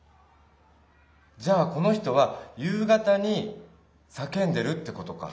じゃあこの人は夕方に叫んでるってことか。